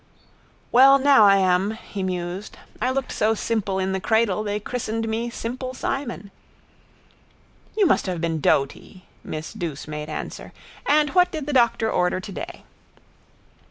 —Well now I am, he mused. I looked so simple in the cradle they christened me simple Simon. —You must have been a doaty, miss Douce made answer. And what did the doctor order today?